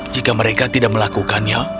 jika mereka tidak melakukannya